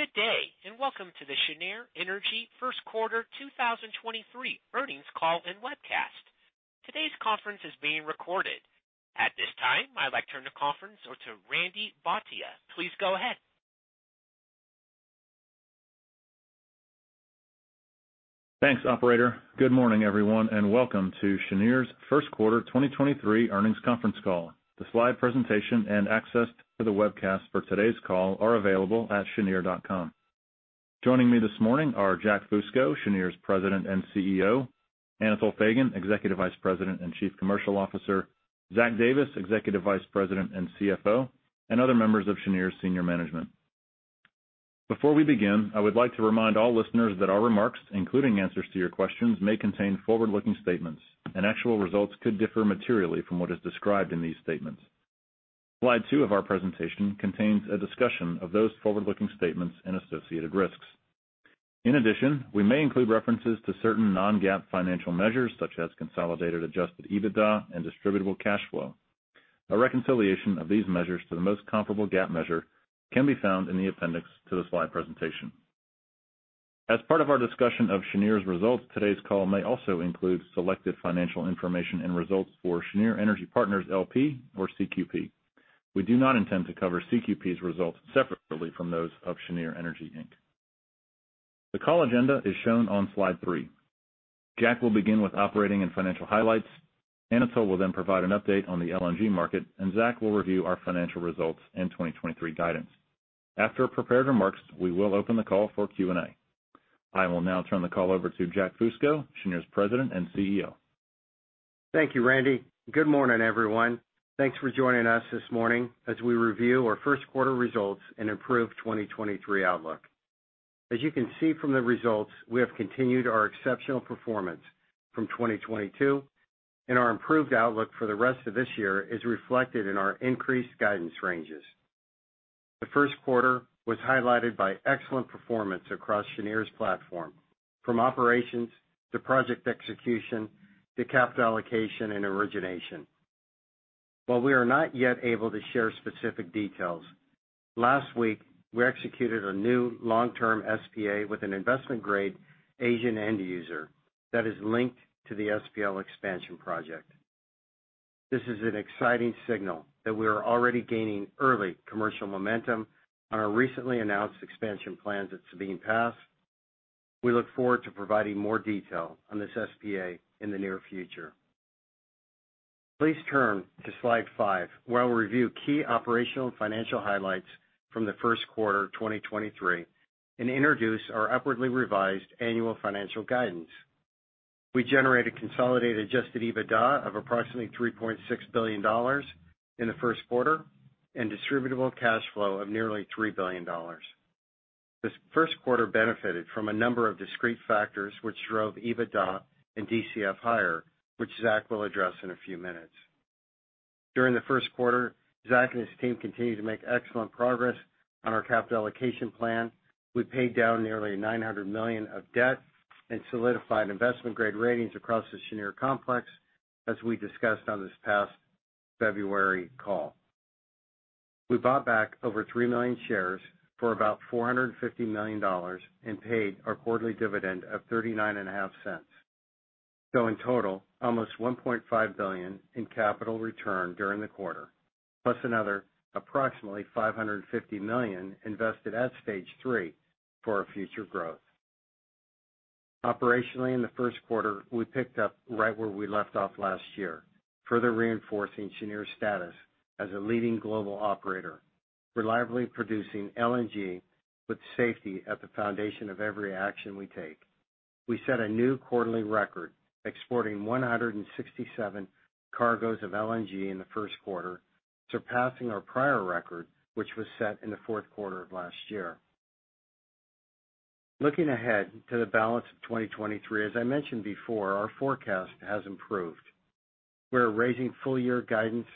Good day, and welcome to the Cheniere Energy first quarter 2023 earnings call and webcast. Today's conference is being recorded. At this time, I'd like to turn the conference over to Randy Bhatia. Please go ahead. Thanks, operator. Good morning, everyone, and welcome to Cheniere's first quarter 2023 earnings conference call. The slide presentation and access to the webcast for today's call are available at cheniere.com. Joining me this morning are Jack Fusco, Cheniere's President and CEO, Anatol Feygin, Executive Vice President and Chief Commercial Officer, Zach Davis, Executive Vice President and CFO, and other members of Cheniere's senior management. Before we begin, I would like to remind all listeners that our remarks, including answers to your questions, may contain forward-looking statements and actual results could differ materially from what is described in these statements. Slide two of our presentation contains a discussion of those forward-looking statements and associated risks. In addition, we may include references to certain non-GAAP financial measures such as consolidated adjusted EBITDA and distributable cash flow. A reconciliation of these measures to the most comparable GAAP measure can be found in the appendix to the slide presentation. As part of our discussion of Cheniere's results, today's call may also include selected financial information and results for Cheniere Energy Partners, L.P. or CQP. We do not intend to cover CQP's results separately from those of Cheniere Energy, Inc. The call agenda is shown on slide three. Jack will begin with operating and financial highlights. Anatol will then provide an update on the LNG market, and Zach will review our financial results in 2023 guidance. After prepared remarks, we will open the call for Q&A. I will now turn the call over to Jack Fusco, Cheniere's President and CEO. Thank you, Randy. Good morning, everyone. Thanks for joining us this morning as we review our first quarter results and improved 2023 outlook. As you can see from the results, we have continued our exceptional performance from 2022, and our improved outlook for the rest of this year is reflected in our increased guidance ranges. The first quarter was highlighted by excellent performance across Cheniere's platform, from operations to project execution to capital allocation and origination. While we are not yet able to share specific details, last week, we executed a new long-term SPA with an investment-grade Asian end user that is linked to the SPL Expansion Project. This is an exciting signal that we are already gaining early commercial momentum on our recently announced expansion plans at Sabine Pass. We look forward to providing more details on this SPA in the near future. Please turn to slide five, where we'll review key operational and financial highlights from the first quarter 2023 and introduce our upwardly revised annual financial guidance. We generated consolidated adjusted EBITDA of approximately $3.6 billion in the first quarter and distributable cash flow of nearly $3 billion. This first quarter benefited from a number of discrete factors which drove EBITDA and DCF higher, which Zach will address in a few minutes. During the first quarter, Zach and his team continued to make excellent progress on our capital allocation plan. We paid down nearly $900 million of debt and solidified investment-grade ratings across the Cheniere complex, as we discussed on this past February call. We bought back over 3 million shares for about $450 million and paid our quarterly dividend of $0.395. In total, almost $1.5 billion in capital return during the quarter, plus another approximately $550 million invested at Stage three for our future growth. Operationally, in the first quarter, we picked up right where we left off last year, further reinforcing Cheniere's status as a leading global operator, reliably producing LNG with safety at the foundation of every action we take. We set a new quarterly record, exporting 167 cargoes of LNG in the first quarter, surpassing our prior record, which was set in the fourth quarter of last year. Looking ahead to the balance of 2023, as I mentioned before, our forecast has improved. We're raising full-year guidance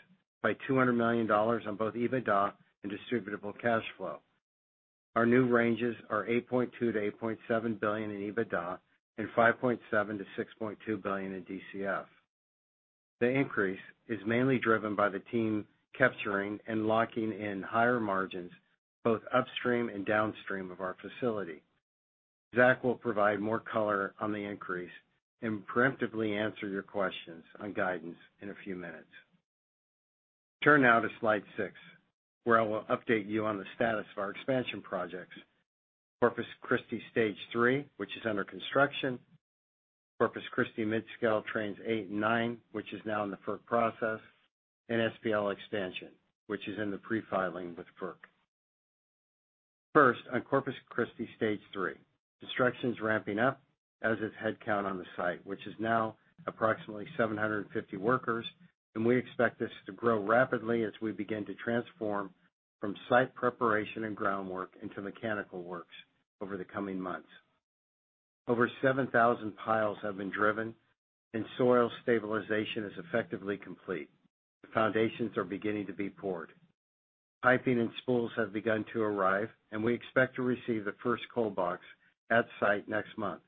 by $200 million on both EBITDA and distributable cash flow. Our new ranges are $8.2 billion-$8.7 billion in EBITDA and $5.7 billion-$6.2 billion in DCF. The increase is mainly driven by the team capturing and locking in higher margins both upstream and downstream of our facility. Zach will provide more color on the increase and preemptively answer your questions on guidance in a few minutes. Turn now to slide six, where I will update you on the status of our expansion projects. Corpus Christi Stage three, which is under construction. Corpus Christi mid-scale trains eight and nine, which is now in the FERC process, and SPL Expansion, which is in the pre-filing with FERC. First, on Corpus Christi Stage three. Construction's ramping up, as is headcount on the site, which is now approximately 750 workers, and we expect this to grow rapidly as we begin to transform from site preparation and groundwork into mechanical works over the coming months. Over 7,000 piles have been driven, and soil stabilization is effectively complete. The foundations are beginning to be poured. Piping and spools have begun to arrive, and we expect to receive the first cold box at site next month,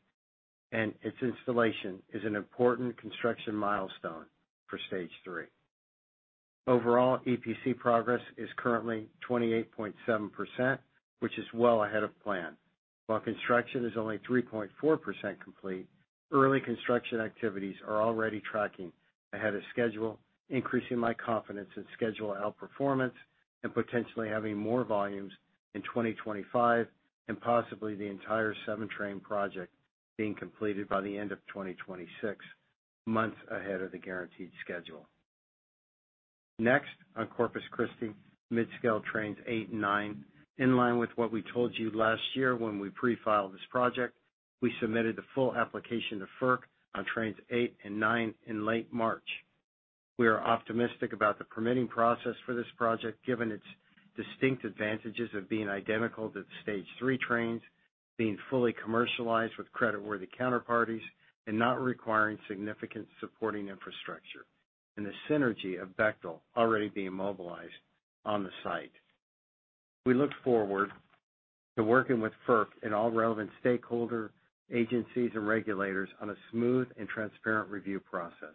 and its installation is an important construction milestone for Stage three. Overall, EPC progress is currently 28.7%, which is well ahead of plan. While construction is only 3.4% complete, early construction activities are already tracking ahead of schedule, increasing my confidence in schedule outperformance and potentially having more volumes in 2025, and possibly the entire seven train project being completed by the end of 2026, months ahead of the guaranteed schedule. Next, on Corpus Christi mid-scale trains eight and nine. In line with what we told you last year when we pre-filed this project, we submitted the full application to FERC on trains eight and nine in late March. We are optimistic about the permitting process for this project, given its distinct advantages of being identical to the Stage three trains, being fully commercialized with creditworthy counterparties, and not requiring significant supporting infrastructure, and the synergy of Bechtel already being mobilized on the site. We look forward to working with FERC and all relevant stakeholder agencies and regulators on a smooth and transparent review process.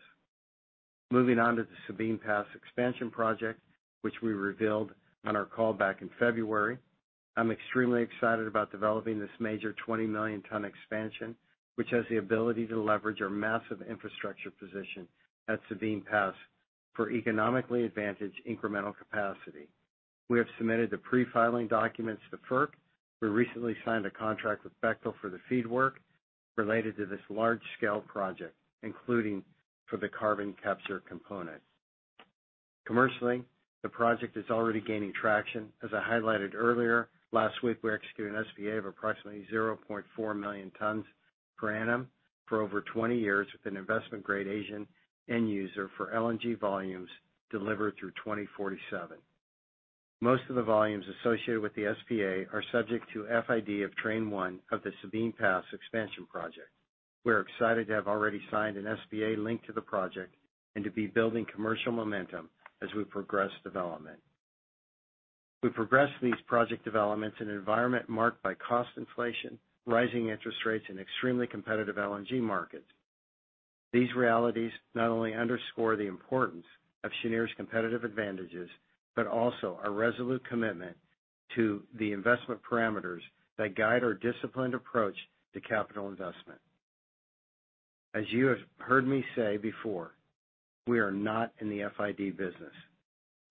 Moving on to the Sabine Pass expansion project, which we revealed on our call back in February. I'm extremely excited about developing this major 20 million ton expansion, which has the ability to leverage our massive infrastructure position at Sabine Pass for economically advantaged incremental capacity. We have submitted the pre-filing documents to FERC. We recently signed a contract with Bechtel for the feed work related to this large-scale project, including for the carbon capture component. Commercially, the project is already gaining traction. As I highlighted earlier, last week, we executed an SPA of approximately 0.4 million tons per annum for over 20 years with an investment-grade Asian end user for LNG volumes delivered through 2047. Most of the volumes associated with the SPA are subject to FID of train one of the Sabine Pass Expansion Project. We are excited to have already signed an SPA linked to the project and to be building commercial momentum as we progress development. We progress these project developments in an environment marked by cost inflation, rising interest rates, and extremely competitive LNG markets. These realities not only underscore the importance of Cheniere's competitive advantages, but also our resolute commitment to the investment parameters that guide our disciplined approach to capital investment. As you have heard me say before, we are not in the FID business.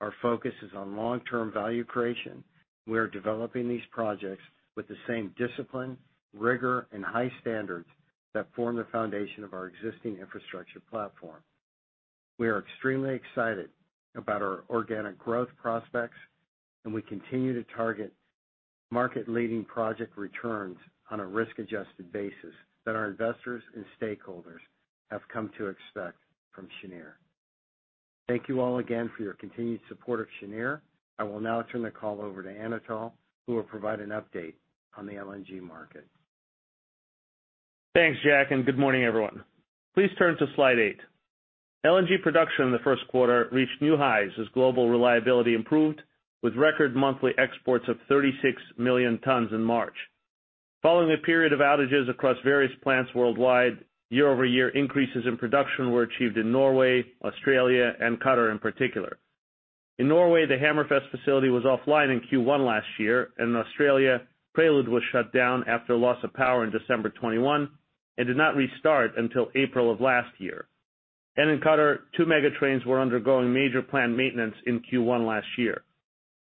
Our focus is on long-term value creation. We are developing these projects with the same discipline, rigor, and high standards that form the foundation of our existing infrastructure platform. We are extremely excited about our organic growth prospects, and we continue to target market-leading project returns on a risk-adjusted basis that our investors and stakeholders have come to expect from Cheniere. Thank you all again for your continued support of Cheniere. I will now turn the call over to Anatol Feygin, who will provide an update on the LNG market. Thanks, Jack. Good morning, everyone. Please turn to slide eight. LNG production in the first quarter reached new highs as global reliability improved with record monthly exports of 36 million tons in March. Following a period of outages across various plants worldwide, year-over-year increases in production were achieved in Norway, Australia, and Qatar in particular. In Norway, the Hammerfest facility was offline in Q1 last year. In Australia, Prelude was shut down after loss of power in December 2021 and did not restart until April of last year. In Qatar, two mega trains were undergoing major plant maintenance in Q1 last year.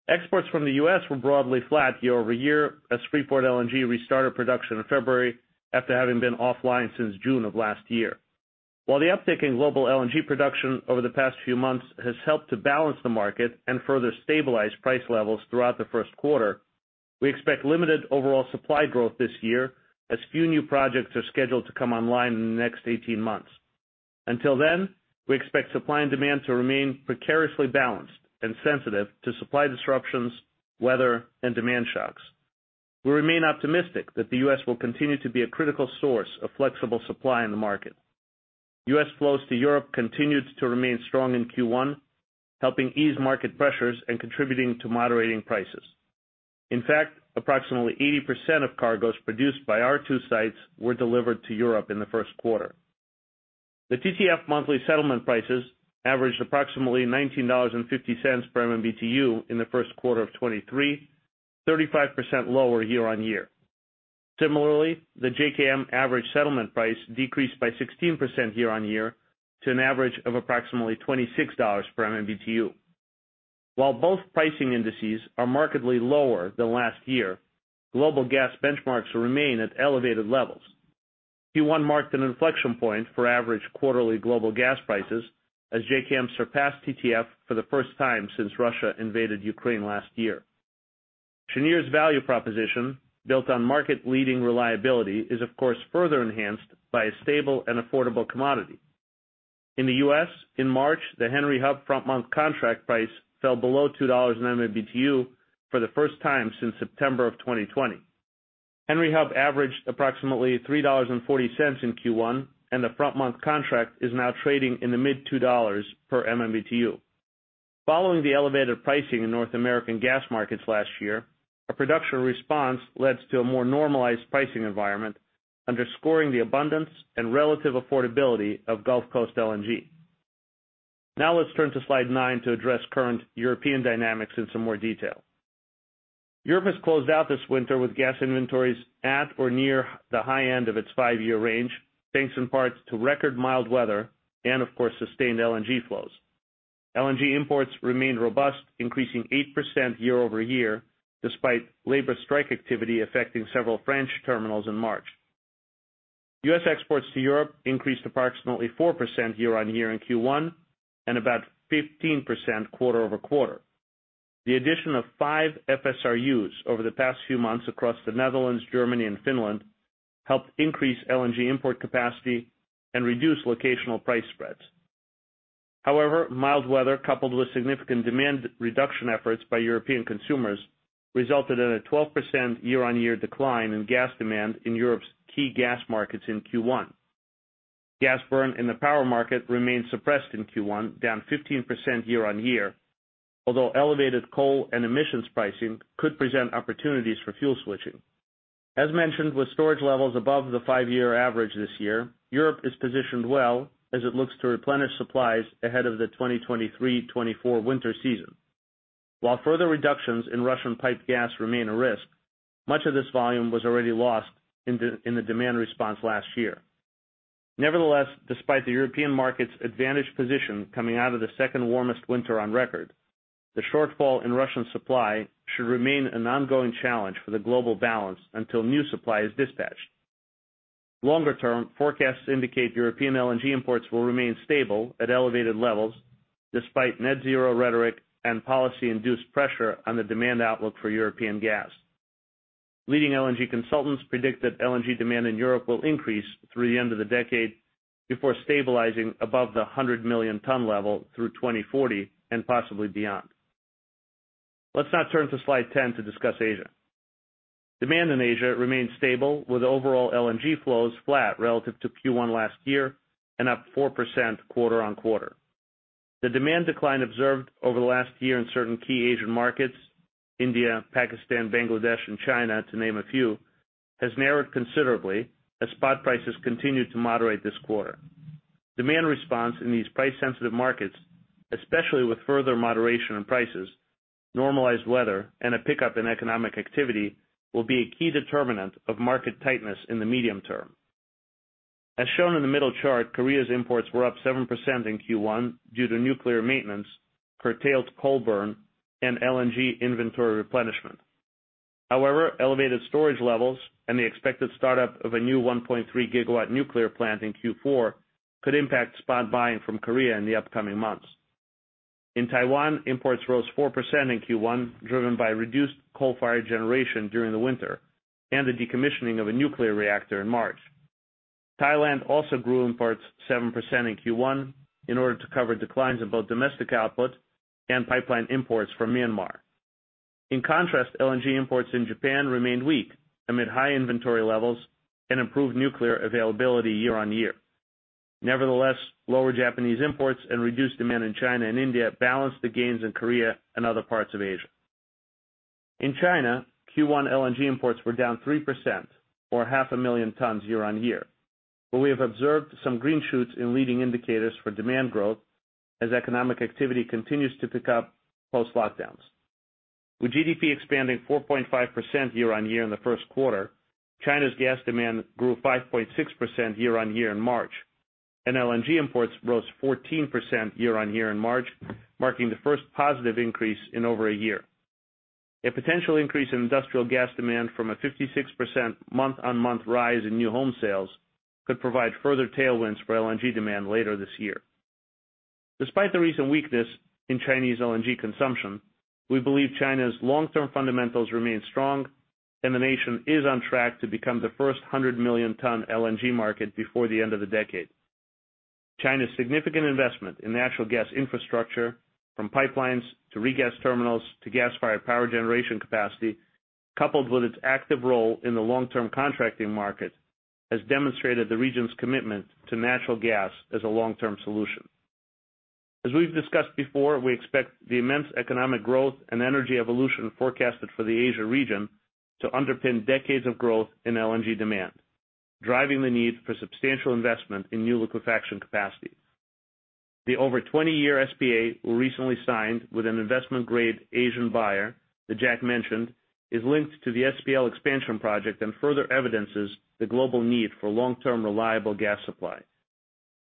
Exports from the U.S. were broadly flat year-over-year as Freeport LNG restarted production in February after having been offline since June of last year. While the uptick in global LNG production over the past few months has helped to balance the market and further stabilize price levels throughout the first quarter, we expect limited overall supply growth this year as few new projects are scheduled to come online in the next 18 months. Until then, we expect supply and demand to remain precariously balanced and sensitive to supply disruptions, weather, and demand shocks. We remain optimistic that the U.S. will continue to be a critical source of flexible supply in the market. U.S. flows to Europe continued to remain strong in Q1, helping ease market pressures and contributing to moderating prices. In fact, approximately 80% of cargos produced by our two sites were delivered to Europe in the first quarter. The TTF monthly settlement prices averaged approximately $19.50 per MMBtu in Q1 of 2023, 35% lower year-on-year. Similarly, the JKM average settlement price decreased by 16% year-on-year to an average of approximately $26 per MMBtu. While both pricing indices are markedly lower than last year, global gas benchmarks remain at elevated levels. Q1 marked an inflection point for average quarterly global gas prices as JKM surpassed TTF for the first time since Russia invaded Ukraine last year. Cheniere's value proposition, built on market-leading reliability, is of course, further enhanced by a stable and affordable commodity. In the U.S., in March, the Henry Hub front-month contract price fell below $2 in MMBtu for the first time since September of 2020. Henry Hub averaged approximately $3.40 in Q1, and the front-month contract is now trading in the mid $2 per MMBtu. Following the elevated pricing in North American gas markets last year. A production response leads to a more normalized pricing environment, underscoring the abundance and relative affordability of Gulf Coast LNG. Let's turn to slide nine to address current European dynamics in some more detail. Europe has closed out this winter with gas inventories at or near the high end of its five-year range, thanks in part to record mild weather and, of course, sustained LNG flows. LNG imports remained robust, increasing 8% year-over-year, despite labor strike activity affecting several French terminals in March. U.S. exports to Europe increased approximately 4% year-on-year in Q1 and about 15% quarter-over-quarter. The addition of five FSRUs over the past few months across the Netherlands, Germany, and Finland helped increase LNG import capacity and reduce locational price spreads. Mild weather, coupled with significant demand reduction efforts by European consumers, resulted in a 12% year-over-year decline in gas demand in Europe's key gas markets in Q1. Gas burn in the power market remained suppressed in Q1, down 15% year-over-year. Elevated coal and emissions pricing could present opportunities for fuel switching. As mentioned, with storage levels above the five-year average this year, Europe is positioned well as it looks to replenish supplies ahead of the 2023/2024 winter season. Further reductions in Russian pipe gas remain a risk, much of this volume was already lost in the demand response last year. Nevertheless, despite the European market's advantaged position coming out of the second warmest winter on record, the shortfall in Russian supply should remain an ongoing challenge for the global balance until new supply is dispatched. Longer-term forecasts indicate European LNG imports will remain stable at elevated levels despite net-zero rhetoric and policy-induced pressure on the demand outlook for European gas. Leading LNG consultants predict that LNG demand in Europe will increase through the end of the decade before stabilizing above the 100 million ton level through 2040 and possibly beyond. Let's now turn to slide 10 to discuss Asia. Demand in Asia remains stable with overall LNG flows flat relative to Q1 last year and up 4% quarter-on-quarter. The demand decline observed over the last year in certain key Asian markets, India, Pakistan, Bangladesh, and China, to name a few, has narrowed considerably as spot prices continue to moderate this quarter. Demand response in these price-sensitive markets, especially with further moderation in prices, normalized weather, and a pickup in economic activity will be a key determinant of market tightness in the medium term. As shown in the middle chart, Korea's imports were up 7% in Q1 due to nuclear maintenance, curtailed coal burn, and LNG inventory replenishment. However, elevated storage levels and the expected startup of a new 1.3 GW nuclear plant in Q4 could impact spot buying from Korea in the upcoming months. In Taiwan, imports rose 4% in Q1, driven by reduced coal-fired generation during the winter and the decommissioning of a nuclear reactor in March. Thailand also grew imports 7% in Q1 in order to cover declines in both domestic output and pipeline imports from Myanmar. In contrast, LNG imports in Japan remained weak amid high inventory levels and improved nuclear availability year-on-year. Nevertheless, lower Japanese imports and reduced demand in China and India balanced the gains in Korea and other parts of Asia. In China, Q1 LNG imports were down 3% or 500,000 tons year-on-year. We have observed some green shoots in leading indicators for demand growth as economic activity continues to pick up post-lockdowns. With GDP expanding 4.5% year-on-year in the first quarter, China's gas demand grew 5.6% year-on-year in March, and LNG imports rose 14% year-on-year in March, marking the first positive increase in over one year. A potential increase in industrial gas demand from a 56% month-on-month rise in new home sales could provide further tailwinds for LNG demand later this year. Despite the recent weakness in Chinese LNG consumption, we believe China's long-term fundamentals remain strong, and the nation is on track to become the first 100 million ton LNG market before the end of the decade. China's significant investment in natural gas infrastructure from pipelines to regas terminals to gas-fired power generation capacity, coupled with its active role in the long-term contracting market, has demonstrated the region's commitment to natural gas as a long-term solution. As we've discussed before, we expect the immense economic growth and energy evolution forecasted for the Asia region to underpin decades of growth in LNG demand, driving the need for substantial investment in new liquefaction capacities. The over 20-year SPA we recently signed with an investment-grade Asian buyer that Jack mentioned, is linked to the SPL Expansion Project and further evidences the global need for long-term, reliable gas supply.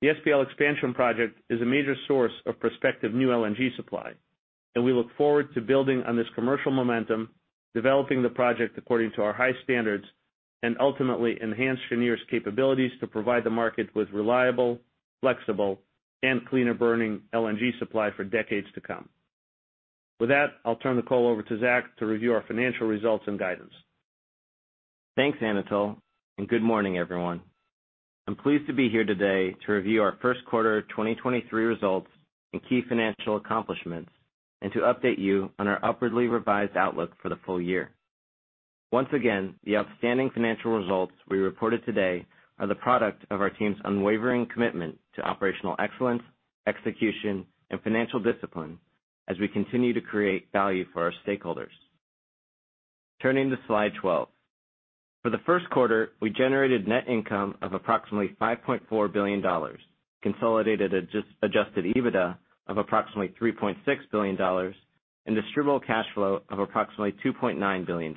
The SPL Expansion Project is a major source of prospective new LNG supply. We look forward to building on this commercial momentum, developing the project according to our high standards, and ultimately enhance Cheniere's capabilities to provide the market with reliable, flexible, and cleaner-burning LNG supply for decades to come. With that, I'll turn the call over to Zach to review our financial results and guidance. Thanks, Anatol, and good morning, everyone. I'm pleased to be here today to review our first quarter 2023 results and key financial accomplishments, and to update you on our upwardly revised outlook for the full year. Once again, the outstanding financial results we reported today are the product of our team's unwavering commitment to operational excellence, execution, and financial discipline as we continue to create value for our stakeholders. Turning to slide 12. For the first quarter, we generated net income of approximately $5.4 billion, consolidated adjusted EBITDA of approximately $3.6 billion, and distributable cash flow of approximately $2.9 billion.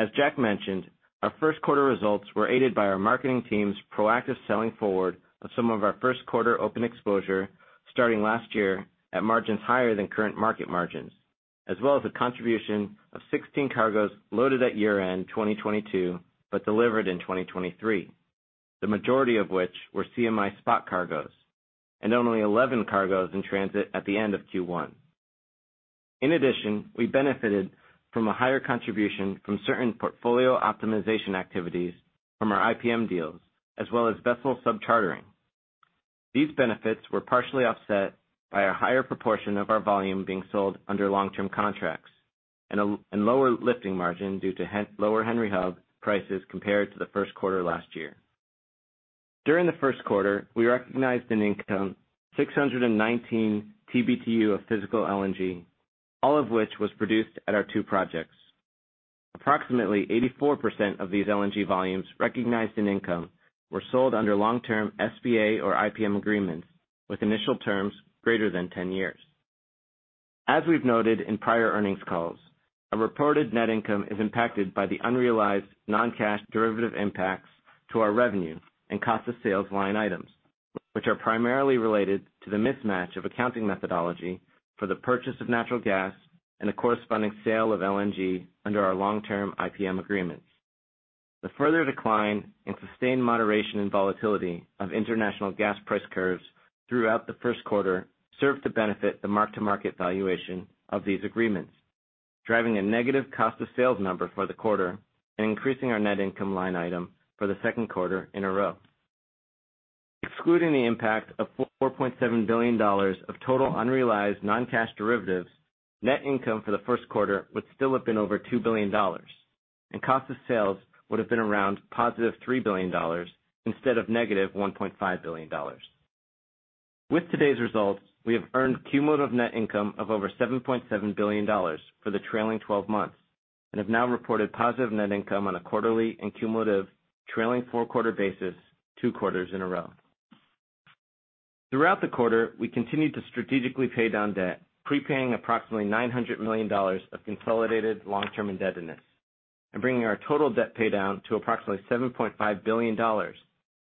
As Jack mentioned, our first quarter results were aided by our marketing team's proactive selling forward of some of our first quarter open exposure starting last year at margins higher than current market margins, as well as a contribution of 16 cargoes loaded at year-end 2022, but delivered in 2023, the majority of which were CMI spot cargoes, and only 11 cargoes in transit at the end of Q1. We benefited from a higher contribution from certain portfolio optimization activities from our IPM deals as well as vessel sub-chartering. These benefits were partially offset by a higher proportion of our volume being sold under long-term contracts and lower lifting margin due to lower Henry Hub prices compared to the first quarter last year. During the first quarter, we recognized in income 619 TBtu of physical LNG, all of which was produced at our two projects. Approximately 84% of these LNG volumes recognized in income were sold under long-term SPA or IPM agreements with initial terms greater than 10 years. As we've noted in prior earnings calls, our reported net income is impacted by the unrealized non-cash derivative impacts to our revenue and cost of sales line items, which are primarily related to the mismatch of accounting methodology for the purchase of natural gas and the corresponding sale of LNG under our long-term IPM agreements. The further decline and sustained moderation and volatility of international gas price curves throughout the first quarter served to benefit the mark-to-market valuation of these agreements, driving a negative cost of sales number for the quarter and increasing our net income line item for the second quarter in a row. Excluding the impact of $4.7 billion of total unrealized non-cash derivatives, net income for the first quarter would still have been over $2 billion, and cost of sales would have been around $+3 billion instead of $-1.5 billion. With today's results, we have earned cumulative net income of over $7.7 billion for the trailing 12 months and have now reported positive net income on a quarterly and cumulative trailing four-quarter basis two quarters in a row. Throughout the quarter, we continued to strategically pay down debt, prepaying approximately $900 million of consolidated long-term indebtedness and bringing our total debt paydown to approximately $7.5 billion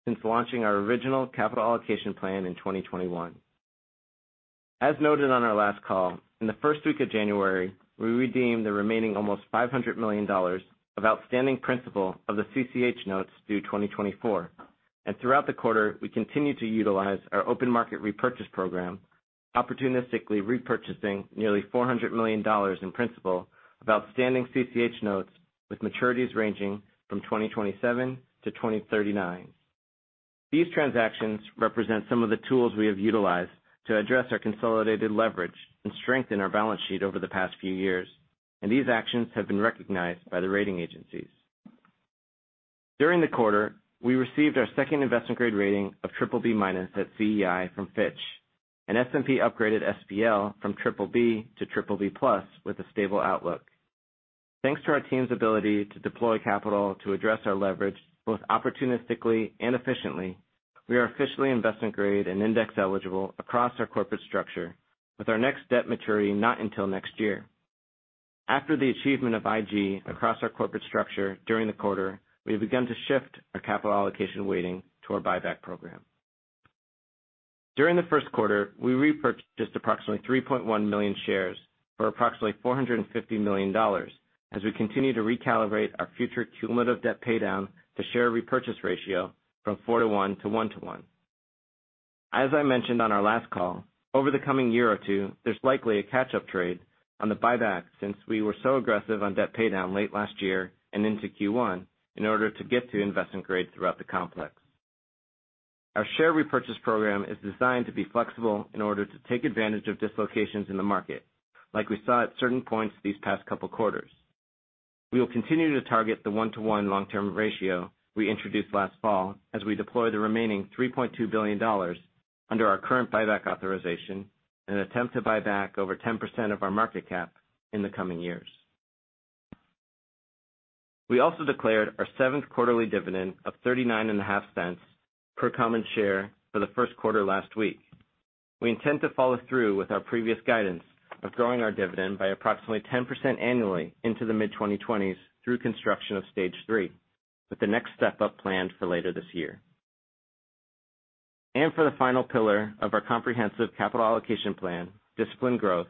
since launching our original capital allocation plan in 2021. As noted on our last call, in the first week of January, we redeemed the remaining almost $500 million of outstanding principal of the CCH notes due 2024, and throughout the quarter, we continued to utilize our open market repurchase program, opportunistically repurchasing nearly $400 million in principal of outstanding CCH notes with maturities ranging from 2027-2039. These transactions represent some of the tools we have utilized to address our consolidated leverage and strengthen our balance sheet over the past few years, and these actions have been recognized by the rating agencies. During the quarter, we received our second investment-grade rating of BBB- at CEI from Fitch, and S&P upgraded SPL from BBB to BBB+ with a stable outlook. Thanks to our team's ability to deploy capital to address our leverage both opportunistically and efficiently, we are officially investment-grade and index-eligible across our corporate structure, with our next debt maturity not until next year. After the achievement of IG across our corporate structure during the quarter, we have begun to shift our capital allocation weighting to our buyback program. During the first quarter, we repurchased approximately 3.1 million shares for approximately $450 million as we continue to recalibrate our future cumulative debt paydown to share repurchase ratio from four to one to one to one. As I mentioned on our last call, over the coming one or two, there's likely a catch-up trade on the buyback since we were so aggressive on debt paydown late last year and into Q1 in order to get to investment grade throughout the complex. Our share repurchase program is designed to be flexible in order to take advantage of dislocations in the market like we saw at certain points these past couple quarters. We will continue to target the one-to-one long-term ratio we introduced last fall as we deploy the remaining $3.2 billion under our current buyback authorization and attempt to buy back over 10% of our market cap in the coming years. We also declared our seventh quarterly dividend of $0.395 per common share for the first quarter last week. We intend to follow through with our previous guidance of growing our dividend by approximately 10% annually into the mid-2020s through construction of Stage three, with the next step-up planned for later this year. For the final pillar of our comprehensive capital allocation plan, discipline growth,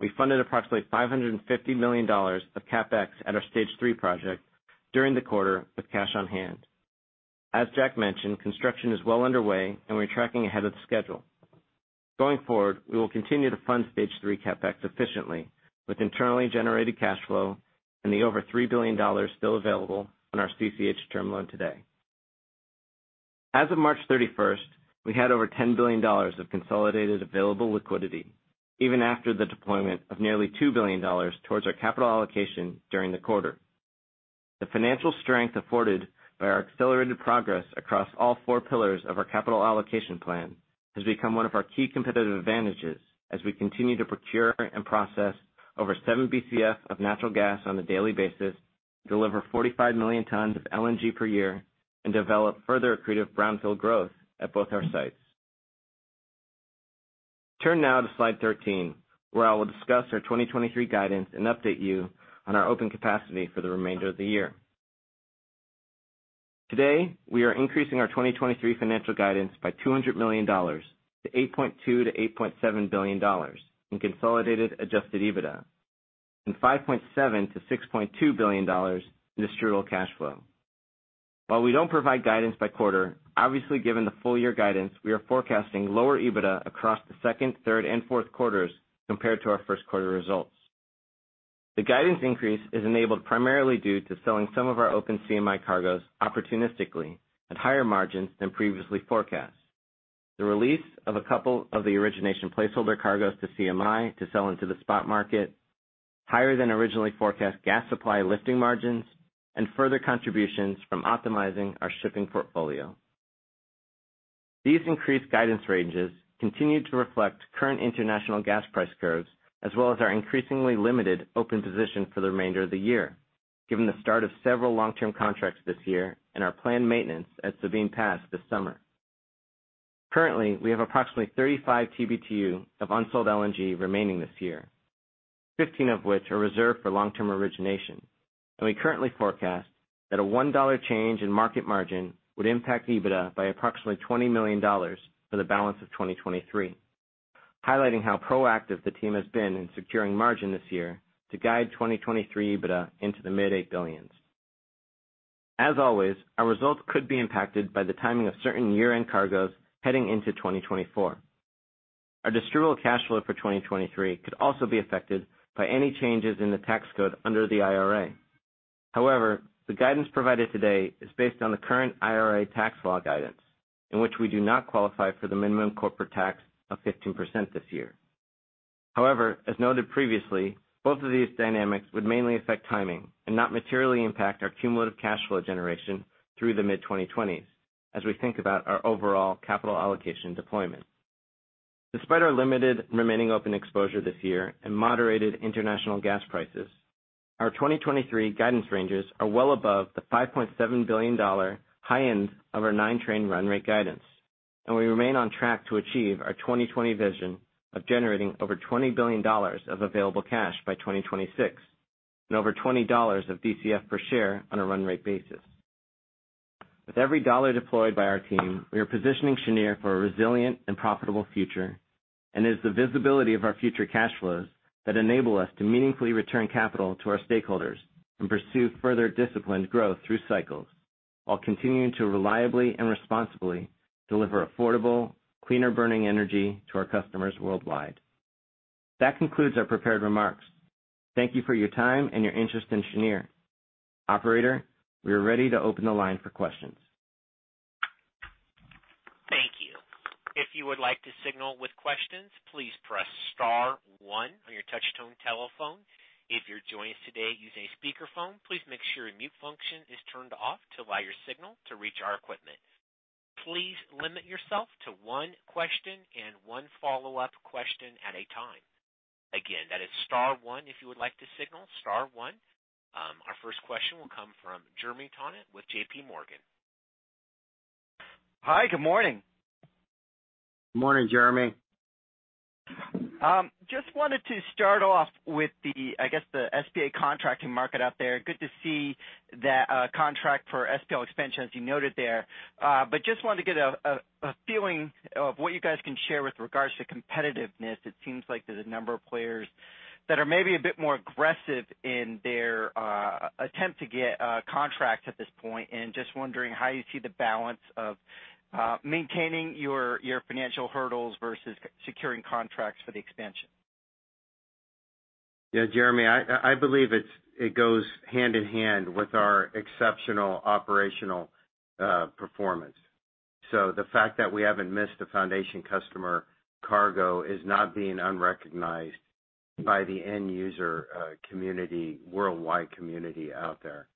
we funded approximately $550 million of CapEx at our Stage three project during the quarter with cash on hand. As Jack mentioned, construction is well underway, and we're tracking ahead of schedule. Going forward, we will continue to fund Stage three CapEx efficiently with internally generated cash flow and the over $3 billion still available on our CCH term loan today. As of March 31st, we had over $10 billion of consolidated available liquidity, even after the deployment of nearly $2 billion towards our capital allocation during the quarter. The financial strength afforded by our accelerated progress across all four pillars of our capital allocation plan has become one of our key competitive advantages as we continue to procure and process over seven BCF of natural gas on a daily basis, deliver 45 million tons of LNG per year, and develop further accretive brownfield growth at both our sites. Turn now to slide 13, where I will discuss our 2023 guidance and update you on our open capacity for the remainder of the year. We are increasing our 2023 financial guidance by $200 million to $8.2 billion-$8.7 billion in consolidated adjusted EBITDA and $5.7 billion-$6.2 billion in distributable cash flow. While we don't provide guidance by quarter, obviously given the full year guidance, we are forecasting lower EBITDA across the second, third and fourth quarters compared to our first quarter results. The guidance increase is enabled primarily due to selling some of our open CMI cargoes opportunistically at higher margins than previously forecast. The release of a couple of the origination placeholder cargoes to CMI to sell into the spot market, higher than originally forecast gas supply lifting margins, and further contributions from optimizing our shipping portfolio. These increased guidance ranges continue to reflect current international gas price curves, as well as our increasingly limited open position for the remainder of the year, given the start of several long-term contracts this year and our planned maintenance at Sabine Pass this summer. Currently, we have approximately 35 TBtu of unsold LNG remaining this year, 15 of which are reserved for long-term origination. We currently forecast that a $1 change in market margin would impact EBITDA by approximately $20 million for the balance of 2023, highlighting how proactive the team has been in securing margin this year to guide 2023 EBITDA into the mid-$8 billion. As always, our results could be impacted by the timing of certain year-end cargoes heading into 2024. Our distributable cash flow for 2023 could also be affected by any changes in the tax code under the IRA. However, the guidance provided today is based on the current IRA tax law guidance, in which we do not qualify for the minimum corporate tax of 15% this year. However, as noted previously, both of these dynamics would mainly affect timing and not materially impact our cumulative cash flow generation through the mid-2020s as we think about our overall capital allocation deployment. Despite our limited remaining open exposure this year and moderated international gas prices, our 2023 guidance ranges are well above the $5.7 billion high end of our nine-train run rate guidance, and we remain on track to achieve our 2020 Vision of generating over $20 billion of available cash by 2026 and over $20 of DCF per share on a run rate basis. With every dollar deployed by our team, we are positioning Cheniere for a resilient and profitable future. It is the visibility of our future cash flows that enables us to meaningfully return capital to our stakeholders and pursue further disciplined growth through cycles, while continuing to reliably and responsibly deliver affordable, cleaner-burning energy to our customers worldwide. That concludes our prepared remarks. Thank you for your time and your interest in Cheniere. Operator, we are ready to open the line for questions. Thank you. If you would like to signal with questions, please press star one on your touch-tone telephone. If you're joining us today using a speakerphone, please make sure your mute function is turned off to allow your signal to reach our equipment. Please limit yourself to one question and one follow-up question at a time. Again, that is star one if you would like to signal, star one. Our first question will come from Jeremy Tonet with JPMorgan. Hi. Good morning. Morning, Jeremy. Just wanted to start off with the, I guess, the SPA contracting market out there. Good to see that contract for SPL expansion as you noted there. Just wanted to get a feeling of what you guys can share with regards to competitiveness. It seems like there's a number of players that are maybe a bit more aggressive in their attempt to get contracts at this point, and just wondering how you see the balance of maintaining your financial hurdles versus securing contracts for the expansion. Jeremy, I believe it goes hand in hand with our exceptional operational performance. The fact that we haven't missed a foundation customer cargo is not being unrecognized by the end user worldwide community out there.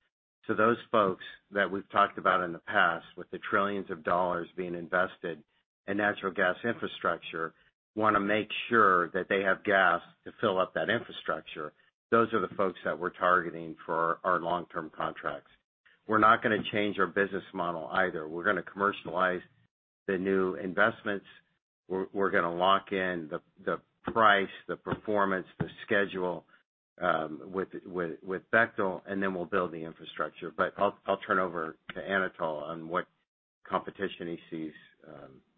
Those folks that we've talked about in the past with the trillions of dollars being invested in natural gas infrastructure wanna make sure that they have gas to fill up that infrastructure. Those are the folks that we're targeting for our long-term contracts. We're not gonna change our business model either. We're gonna commercialize the new investments. We're gonna lock in the price, the performance, the schedule with Bechtel, and then we'll build the infrastructure. I'll turn over to Anatol on. Competition he sees,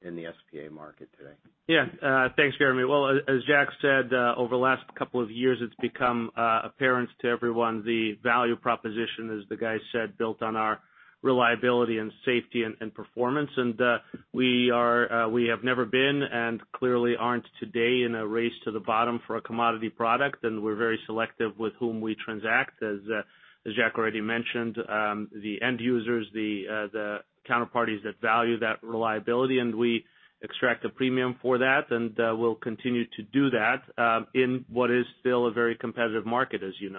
in the SPA market today. Yeah. Thanks, Jeremy. Well, as Jack said, over the last couple of years, it's become apparent to everyone the value proposition, as the guy said, built on our reliability, and safety and performance. We have never been, and clearly aren't today, in a race to the bottom for a commodity product. We're very selective with whom we transact, as Jack already mentioned, the end users, the counterparties that value that reliability, and we extract a premium for that. We'll continue to do that in what is still a very competitive market, as you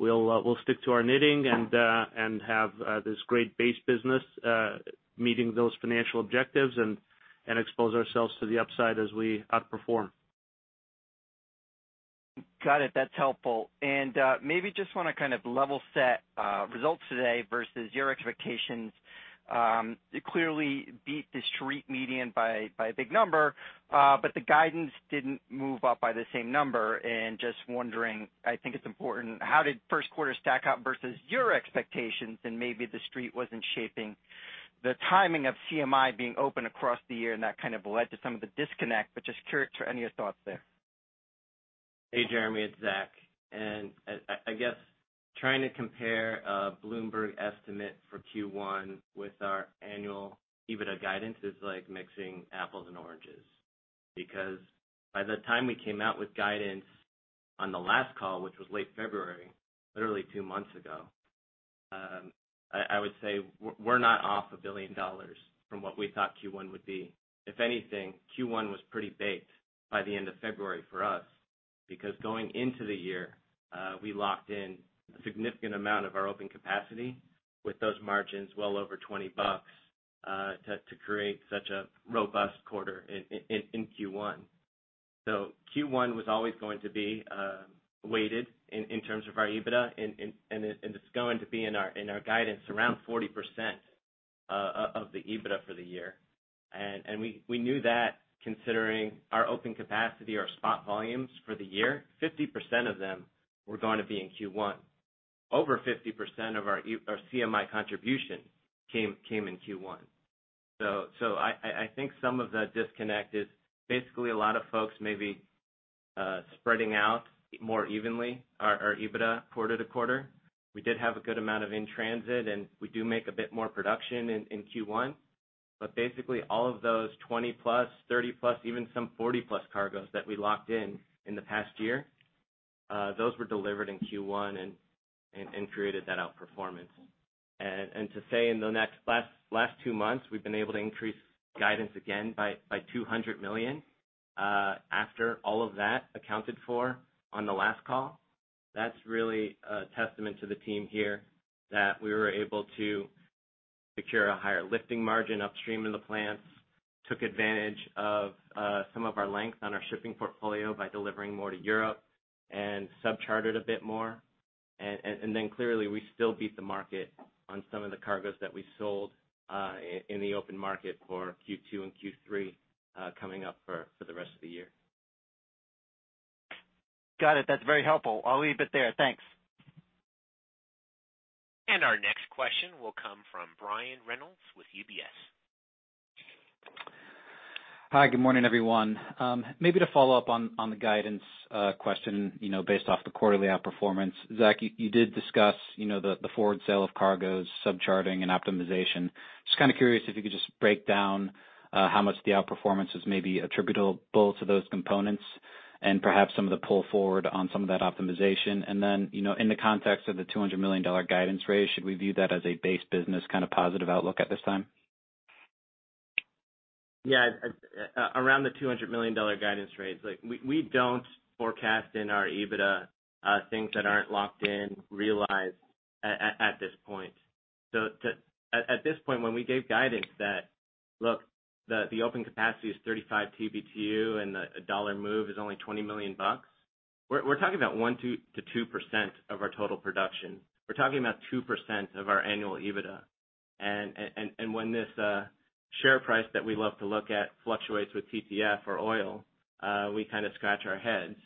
know. We'll stick to our knitting and have this great base business, meeting those financial objectives, and expose ourselves to the upside as we outperform. Got it. That's helpful. Maybe just wanna kind of level set results today versus your expectations. You clearly beat the street median by a big number, but the guidance didn't move up by the same number. Just wondering, I think it's important, how did first quarter stack up versus your expectations? Maybe the street wasn't shaping the timing of CMI being open across the year, and that kind of led to some of the disconnect, but just to any of your thoughts there. Hey, Jeremy, it's Zach. I guess trying to compare a Bloomberg estimate for Q1 with our annual EBITDA guidance is like mixing apples and oranges. By the time we came out with guidance on the last call, which was late February, literally two months ago, I would say we're not off $1 billion from what we thought Q1 would be. If anything, Q1 was pretty baked by the end of February for us, going into the year, we locked in a significant amount of our open capacity with those margins well over $20 bucks to create such a robust quarter in Q1. Q1 was always going to be weighted in terms of our EBITDA and it's going to be in our guidance around 40% of the EBITDA for the year. We knew that, considering our open capacity, our spot volumes for the year, 50% of them were going to be in Q1. Over 50% of our CMI contribution came in Q1. I think some of the disconnect is basically a lot of folks may be spreading out more evenly our EBITDA quarter-to-quarter. We did have a good amount of in-transit, and we do make a bit more production in Q1. Basically, all of those 20+, 30+, even some 40+ cargoes that we locked in in the past year, those were delivered in Q1 and created that outperformance. To say in the last two months, we've been able to increase guidance again by $200 million after all of that accounted for on the last call. That's really a testament to the team here, that we were able to secure a higher lifting margin upstream in the plants, took advantage of some of our length on our shipping portfolio by delivering more to Europe, and sub-chartered a bit more. Then clearly, we still beat the market on some of the cargoes that we sold in the open market for Q2 and Q3, coming up for the rest of the year. Got it. That's very helpful. I'll leave it there. Thanks. Our next question will come from Brian Reynolds with UBS. Hi, good morning, everyone. Maybe to follow up on the guidance question, you know, based off the quarterly outperformance. Zach, you did discuss, you know, the forward sale of cargoes, sub-chartering and optimization. Just kind of curious if you could just break down how much the outperformance is, maybe attributable to those components, and perhaps some of the pull forward on some of that optimization. Then, you know, in the context of the $200 million guidance raise, should we view that as a base business kind of positive outlook at this time? Yeah. Around the $200 million guidance raise, like, we don't forecast in our EBITDA, things that aren't locked in, realized at this point. At this point, when we gave guidance that, look, the open capacity is 35 TBtu and a dollar move is only $20 million, we're talking about 1%-2% of our total production. We're talking about 2% of our annual EBITDA. When this share price that we love to look at fluctuates with TTF or oil, we kind of scratch our heads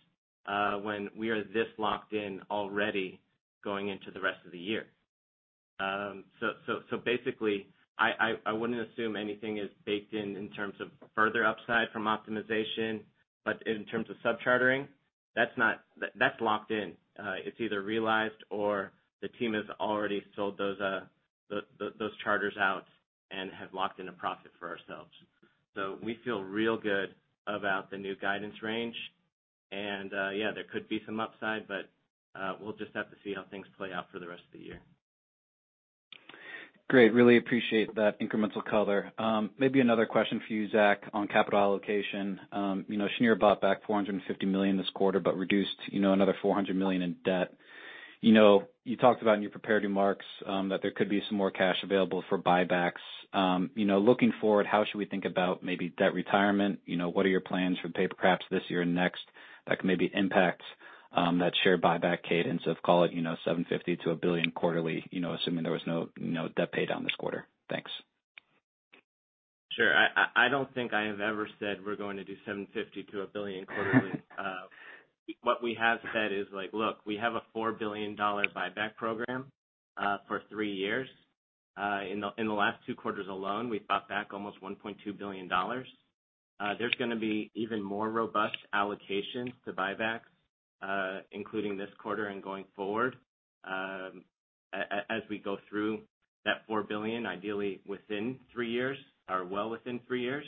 when we are this locked in already, going into the rest of the year. Basically, I wouldn't assume anything is baked in in terms of further upside from optimization. In terms of sub-chartering, that's locked in. It's either realized or the team has already sold those charters out and have locked in a profit for ourselves. We feel real good about the new guidance range. Yeah, there could be some upside, but we'll just have to see how things play out for the rest of the year. Great. Really appreciate that incremental color. you know, maybe another question for you, Zach, on capital allocation. you know, Cheniere bought back $450 million this quarter, but reduced, you know, another $400 million in debt. You know, you talked about in your prepared remarks, that there could be some more cash available for buybacks. you know, looking forward, how should we think about maybe debt retirement? You know, what are your plans for perhaps this year and next that can maybe impact, that share buyback cadence of, call it, you know, $750 million-$1 billion quarterly, you know, assuming there was no debt pay down this quarter? Thanks. Sure. I don't think I have ever said we're going to do $750 million-$1 billion quarterly. What we have said is like, Look, we have a $4 billion buyback program, for three years. In the last two quarters alone, we've bought back almost $1.2 billion. There's gonna be even more robust allocations to buybacks, including this quarter and going forward, as we go through that $4 billion, ideally within three years or well within three years.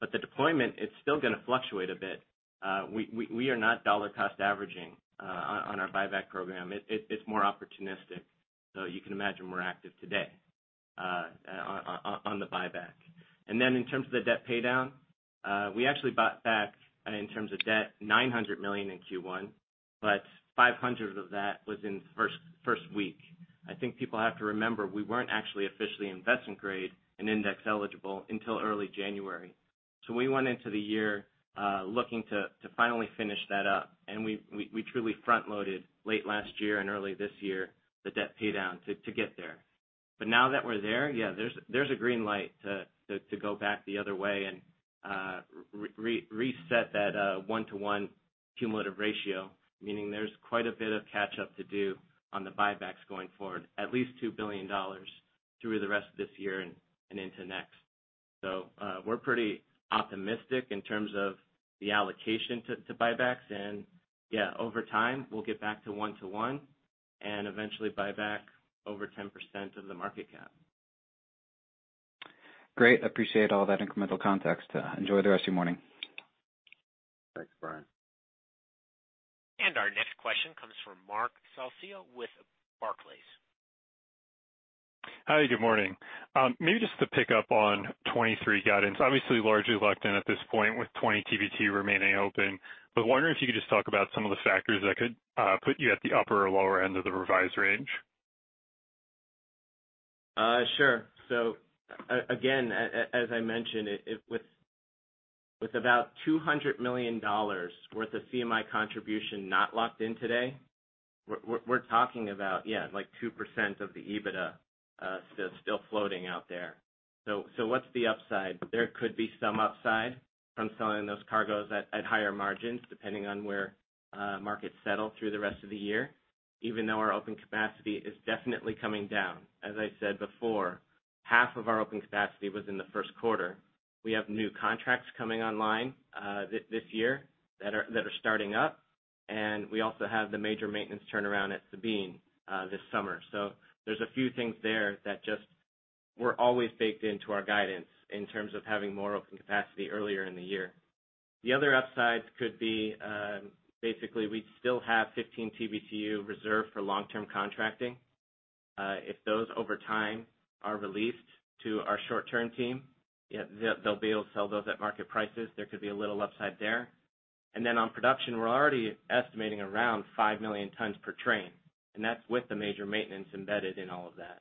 The deployment, it's still gonna fluctuate a bit. We are not dollar cost averaging, on our buyback program. It's more opportunistic. You can imagine we're active today on the buyback. In terms of the debt paydown, we actually bought back in terms of debt $900 million in Q1, but $500 of that was in the first week. I think people have to remember, we weren't actually officially investment grade and index eligible until early January. We went into the year looking to finally finish that up. We truly front-loaded late last year and early this year the debt paydown to get there. Now that we're there's a green light to go back the other way and reset that one-to-one cumulative ratio, meaning there's quite a bit of catch-up to do on the buybacks going forward, at least $2 billion through the rest of this year and into next. We're pretty optimistic in terms of the allocation to buybacks. Over time, we'll get back to one-to-one and eventually buy back over 10% of the market cap. Great. Appreciate all that incremental context. Enjoy the rest of your morning. Thanks, Brian. Our next question comes from Marc Solecitto with Barclays. Hi, good morning. Maybe just to pick up on 23 guidance. Obviously, largely locked in at this point with 20 TBtu remaining open. Wondering if you could just talk about some of the factors that could put you at the upper or lower end of the revised range. Sure. As I mentioned, with about $200 million worth of CMI contribution not locked in today, we're talking about, yeah, like 2% of the EBITDA, still floating out there. What's the upside? There could be some upside from selling those cargoes at higher margins, depending on where markets settle through the rest of the year, even though our open capacity is definitely coming down. As I said before, half of our open capacity was in the first quarter. We have new contracts coming online this year that are starting up. We also have the major maintenance turnaround at Sabine this summer. There's a few things there that just were always baked into our guidance in terms of having more open capacity earlier in the year. The other upside could be, basically, we still have 15 TBtu reserved for long-term contracting. If those over time are released to our short-term team, yeah, they'll be able to sell those at market prices. There could be a little upside there. On production, we're already estimating around 5 million tons per train, and that's with the major maintenance embedded in all of that.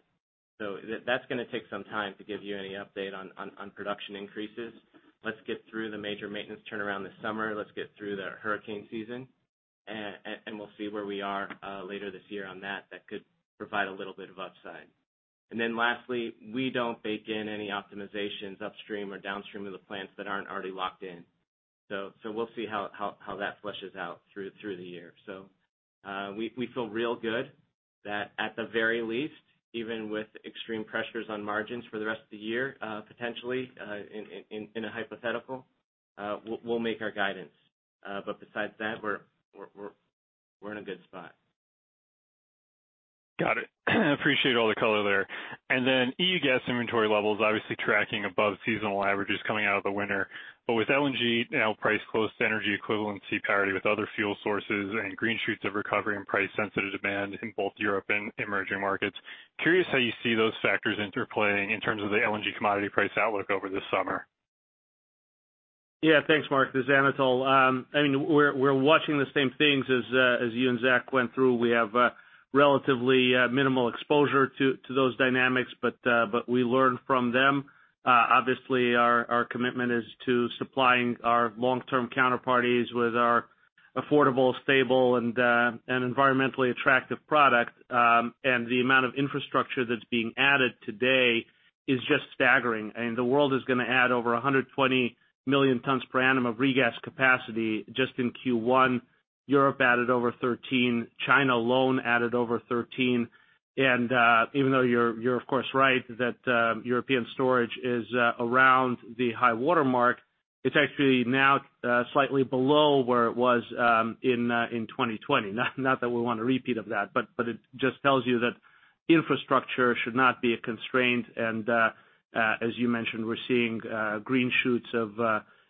That's gonna take some time to give you any update on production increases. Let's get through the major maintenance turnaround this summer. Let's get through the hurricane season. We'll see where we are later this year on that. That could provide a little bit of upside. Lastly, we don't bake in any optimizations upstream or downstream of the plants that aren't already locked in. We'll see how that fleshes out through the year. We feel really good that at the very least, even with extreme pressures on margins for the rest of the year, potentially, in a hypothetical, we'll make our guidance. Besides that, we're in a good spot. Got it. Appreciate all the color there. EU gas inventory levels are obviously tracking above seasonal averages coming out of the winter. With LNG now priced close to energy equivalency parity with other fuel sources and green shoots of recovery and price-sensitive demand in both Europe and emerging markets, curious how you see those factors interplaying in terms of the LNG commodity price outlook over this summer? Thanks, Marc. This is Anatol. I mean, we're watching the same things as you and Zach went through. We have relatively minimal exposure to those dynamics, but we learn from them. Obviously, our commitment is to supplying our long-term counterparties with our affordable, stable, and environmentally attractive product. The amount of infrastructure that's being added today is just staggering. I mean, the world is going to add over 120 million tons per annum of regas capacity just in Q1. Europe added over 13. China alone added over 13. Even though you're of course right that European storage is around the high watermark, it's actually now slightly below where it was in 2020. Not that we want a repeat of that, but it just tells you that infrastructure should not be a constraint. As you mentioned, we're seeing green shoots of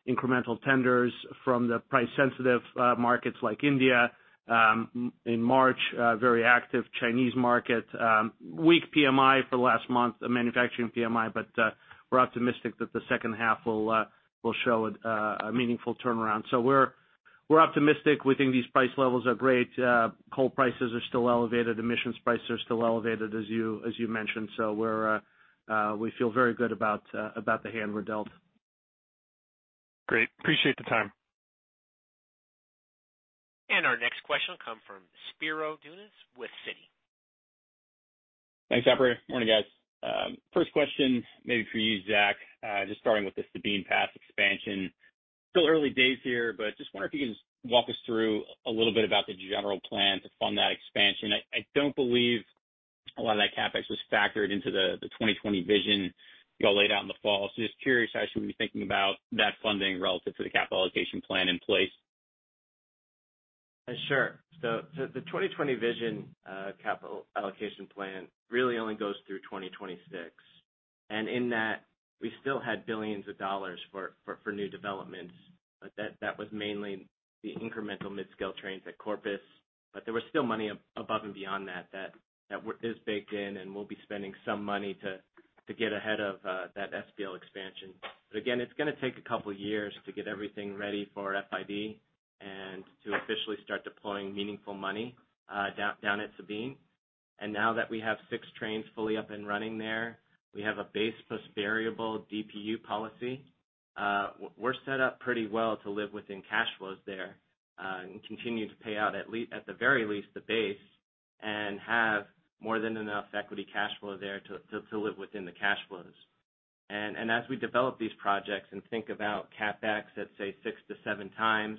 incremental tenders from the price-sensitive markets like India, in March, very active Chinese market. Weak PMI for the last month, a manufacturing PMI, but we're optimistic that the second half will show a meaningful turnaround. We're optimistic. We think these price levels are great. Coal prices are still elevated. Emissions prices are still elevated, as you mentioned. We feel very good about the hand we're dealt. Great. Appreciate the time. Our next question will come from Spiro Dounis with Citi. Thanks, operator. Morning, guys. First question, maybe for you, Zach. Just starting with the Sabine Pass Expansion. Still early days here, but just wonder if you can just walk us through a little bit about the general plan to fund that Expansion. I don't believe a lot of that CapEx was factored into the 2020 vision you all laid out in the fall. Just curious how I should be thinking about that funding relative to the capital allocation plan in place. Sure. The 2020 vision, capital allocation plan really only goes through 2026, and in that we still had billions of dollars for new developments. That was mainly the incremental mid-scale trains at Corpus. There was still money above and beyond that is baked in, and we'll be spending some money to get ahead of that SPL Expansion. Again, it's gonna take a couple of years to get everything ready for FID and to officially start deploying meaningful money down at Sabine. Now that we have six trains fully up and running there, we have a base plus variable DPU policy. We're set up pretty well to live within cash flows there and continue to pay out at the very least the base, and have more than enough equity cash flow there to live within the cash flows. As we develop these projects and think about CapEx at, say, 6x to 7x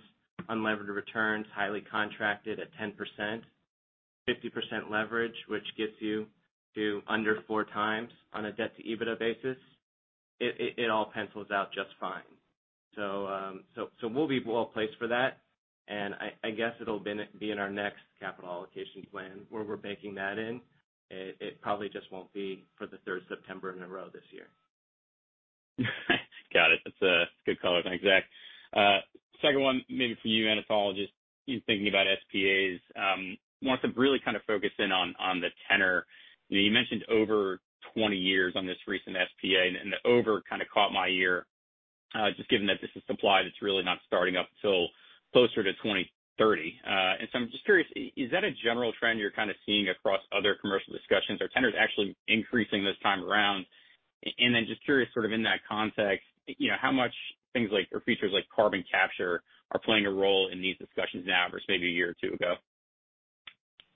unlevered returns, highly contracted at 10%, 50% leverage, which gets you to under 4x on a debt-to-EBITDA basis, it all pencils out just fine. We'll be well placed for that. I guess it'll be in our next capital allocation plan, where we're baking that in. It probably just won't be for the third September in a row this year. Got it. That's a good color. Thanks, Zach. Second one maybe for you, Anatol, just in thinking about SPAs. Wanted to really kind of focus in on the tenor. You mentioned over 20 years on this recent SPA, and the over kind of caught my ear, just given that this is a supply that's really not starting up till closer to 2030. Is that a general trend you're kind of seeing across other commercial discussions? Are tenors actually increasing this time around? Just curious sort of in that context, you know, how much things like-- or features like carbon capture are playing a role in these discussions now versus maybe a year or two ago?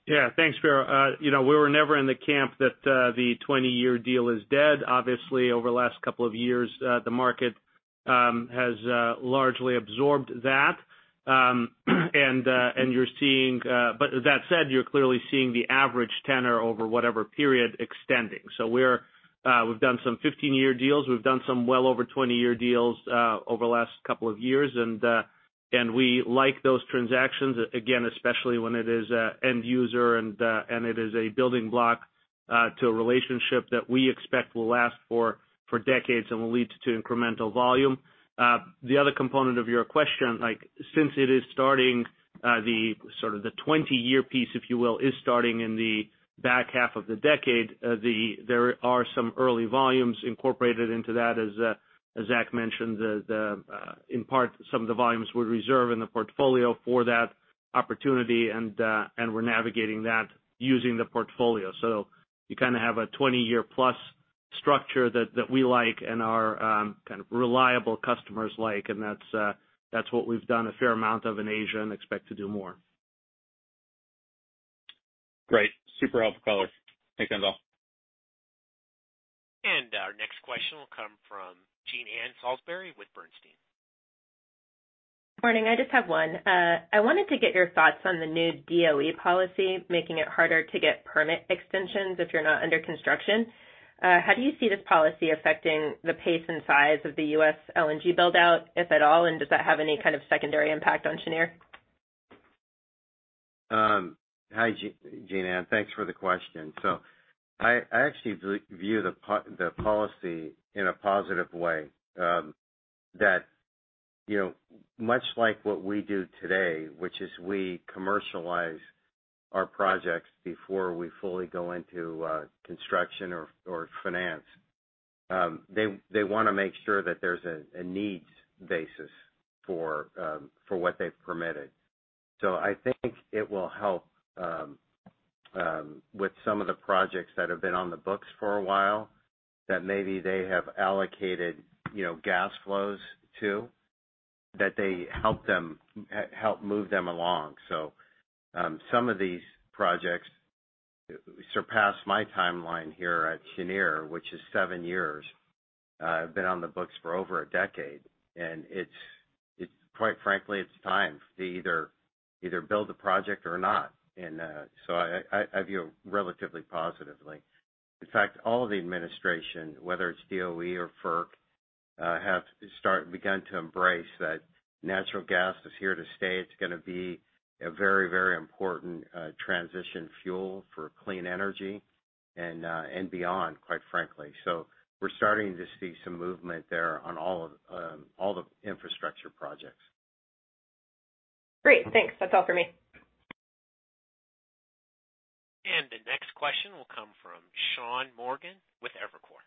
Yeah. Thanks, Spiro. you know, we were never in the camp that the 20-year deal is dead. Obviously, over the last couple of years, the market has largely absorbed that. You're seeing. With that said, you're clearly seeing the average tenor over whatever period extending. We've done some 15-year deals. We've done some well over 20-year deals over the last couple of years. We like those transactions, again, especially when it is an end user and it is a building block to a relationship that we expect will last for decades and will lead to incremental volume. The other component of your question, like, since it is starting, the sort of the 20-year piece, if you will, is starting in the back half of the decade, there are some early volumes incorporated into that. As Zach mentioned, the, in part, some of the volumes we reserve in the portfolio for that opportunity. We're navigating that using the portfolio. You kinda have a 20-year-plus structure that we like and our kind of reliable customers like. That's what we've done a fair amount of in Asia and expect to do more. Great. Super helpful color. Thanks, Anatol. Our next question will come from Jean Ann Salisbury with Bernstein. Morning. I just have one. I wanted to get your thoughts on the new DOE policy, making it harder to get permit extensions if you're not under construction. How do you see this policy affecting the pace and size of the U.S. LNG build-out, if at all, and does that have any kind of secondary impact on Cheniere? Hi, Jeananne. Thanks for the question. I actually view the policy in a positive way. That, you know, much like what we do today, which is we commercialize our projects before we fully go into construction or finance. They wanna make sure that there's a needs basis for what they've permitted. I think it will help with some of the projects that have been on the books for a while, that maybe they have allocated, you know, gas flows to, that they help move them along. Some of these projects surpass my timeline here at Cheniere, which is seven years. Have been on the books for over a decade. It's quite frankly, it's time to either build the project or not. I view it relatively positively. In fact, all of the administration, whether it's DOE or FERC, have begun to embrace that natural gas is here to stay. It's gonna be a very, very important transition fuel for clean energy and beyond, quite frankly. We're starting to see some movement there on all the infrastructure projects. Great. Thanks. That's all for me. The next question will come from Sean Morgan with Evercore.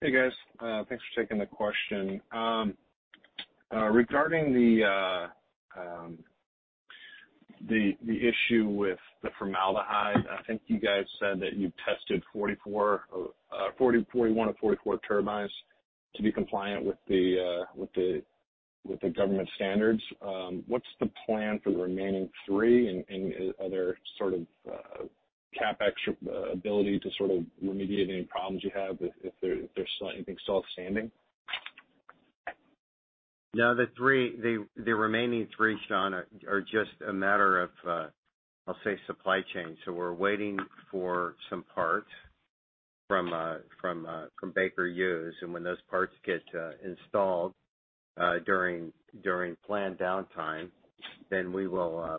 Hey, guys. Thanks for taking the question. Regarding the issue with the formaldehyde, I think you guys said that you've tested 41-44 turbines to be compliant with the government standards. What's the plan for the remaining three and are there sort of CapEx ability to sort of remediate any problems you have if there's anything still outstanding? No, the remaining three, Sean, are just a matter of, I'll say, supply chain. We're waiting for some parts from Baker Hughes. When those parts get installed during planned downtime, then we will